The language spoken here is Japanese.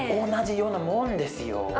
同じようなもんですよ。